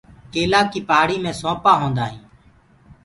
ڪيلآ ڪيٚ پآهڙي مي سونٚپآ هوندآ هينٚ۔